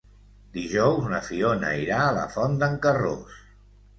Dijous na Fiona irà a la Font d'en Carròs.